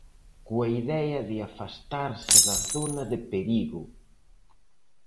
Coa idea de afastarse da zona de perigo.